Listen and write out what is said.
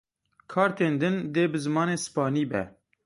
Kartên din dê bi zimanê spanî bin.